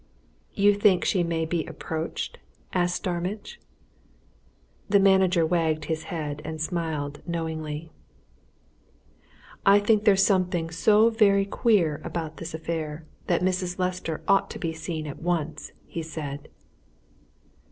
"You think she may be approached?" asked Starmidge. The manager wagged his head and smiled knowingly. "I think there's something so very queer about this affair that Mrs. Lester ought to be seen at once," he said.